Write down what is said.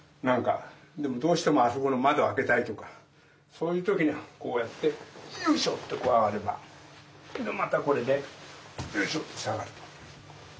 でもどうしてもあそこの窓を開けたいとかそういう時にこうやってヨイショってこう上がればまたこれでヨイショと下がると。